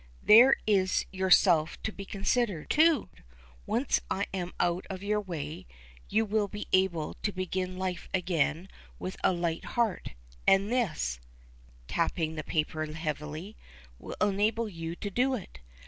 there is yourself to be considered, too! Once I am out of your way, you will be able to begin life again with a light heart; and this," tapping the paper heavily, "will enable you to do it.